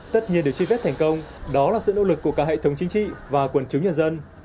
tất nhiên được truy vết thành công đó là sự nỗ lực của cả hệ thống chính trị và quần chúng nhân dân